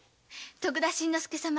徳田新之助様。